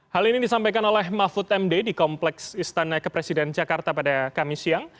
hal ini disampaikan oleh mahfud md di kompleks istana kepresiden jakarta pada kamis siang